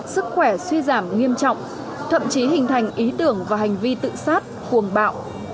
sức khỏe suy giảm nghiêm trọng thậm chí hình thành ý tưởng và hành vi tự sát cuồng bạo